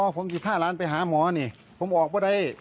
ผม๑๕ล้านไปหาหมอนี่ผมออกมาได้